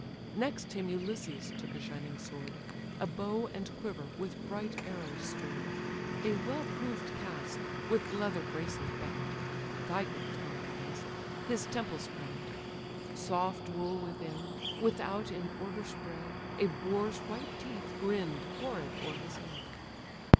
Next him Ulysses took a shining sword, A bow and quiver, with bright arrows stored: A well proved casque, with leather braces bound, (Thy gift, Meriones,) his temples crown'd; Soft wool within; without, in order spread, A boar's white teeth grinn'd horrid o'er his head.